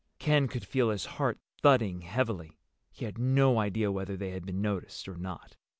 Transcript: Ken could feel his heart thudding heavily. He had no idea whether they had been noticed or not.